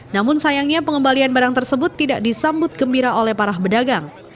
namun sayangnya pengembalian barang tersebut tidak disambut gembira oleh para pedagang